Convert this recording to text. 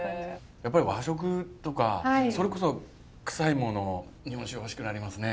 やっぱり和食とかそれこそクサいもの日本酒欲しくなりますね。